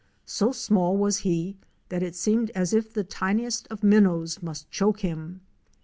So small was he that it seemed as if the tiniest of minnows must choke him.